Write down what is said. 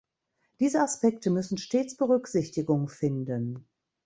Diese Aspekte müssen stets Berücksichtigung finden.